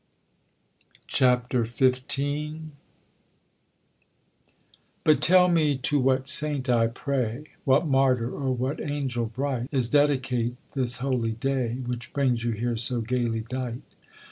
CHAPTER XV But tell me to what saint, I pray, What martyr, or what angel bright, Is dedicate this holy day, Which brings you here so gaily dight?